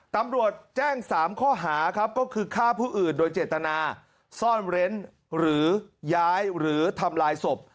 ตำรวจแจ้ง๓ข้อหาครับก็คือฆ่าผู้อื่นโดยเจตนาซ่อนเร้นหรือย้ายหรือทำลายศพ